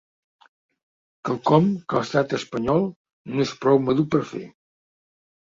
Quelcom que l’estat espanyol ‘no és prou madur per fer’.